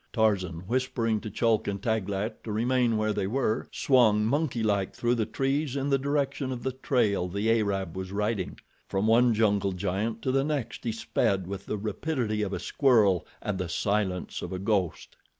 Tarzan, whispering to Chulk and Taglat to remain where they were, swung, monkey like, through the trees in the direction of the trail the Arab was riding. From one jungle giant to the next he sped with the rapidity of a squirrel and the silence of a ghost.